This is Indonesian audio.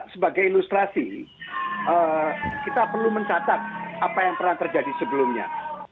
sebagai ilustrasi kita perlu mencatat apa yang pernah terjadi sebelumnya